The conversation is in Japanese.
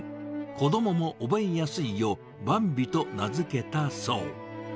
子どもも覚えやすいよう、バンビと名付けたそう。